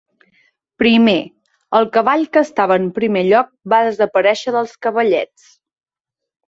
Primer, el cavall que estava en primer lloc va desaparèixer dels cavallets.